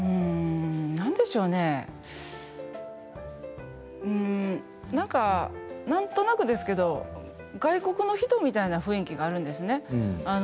なんでしょうね、なんとなくですけれど外国の方みたいな雰囲気があるんですね。